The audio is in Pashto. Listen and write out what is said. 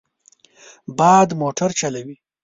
باد موټر چلوي.